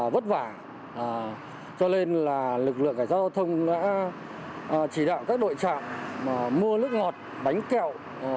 vất vả cho nên là lực lượng cảnh sát giao thông đã chỉ đạo các đội trạm mua nước ngọt bánh kẹo